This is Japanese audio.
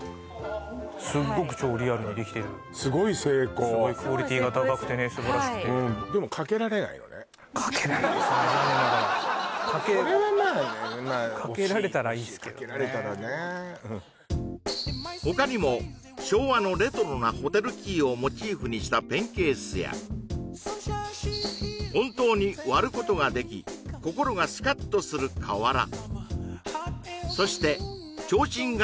もちろんすっごくクオリティーが高くてね素晴らしくてでもかけられないですね残念ながらそれはまあねかけられたらいいですけどねかけられたらね他にも昭和のレトロなホテルキーをモチーフにしたペンケースや本当に割ることができ心がスカッとする瓦そしてちょうちん形